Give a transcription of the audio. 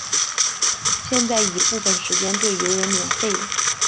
现在已部分时间对游人免费。